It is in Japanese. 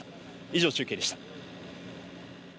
以上、中継でした。